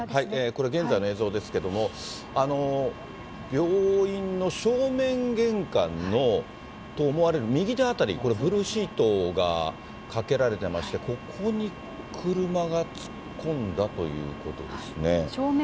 これ、現在の映像ですけれども、病院の正面玄関と思われる右手辺り、これ、ブルーシートがかけられてまして、ここに車が突っ込んだということですね。